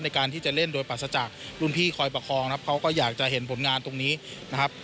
ในการที่จะเล่นโดยปราศจากรุ่นพี่คอยประคองนะครับเขาก็อยากจะเห็นผลงานตรงนี้นะครับ